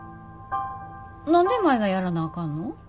何で舞がやらなあかんの？